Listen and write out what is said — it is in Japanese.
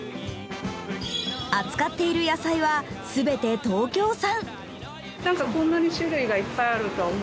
扱っている野菜は全て東京産。